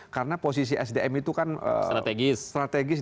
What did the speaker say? karena posisi sdm itu kan strategis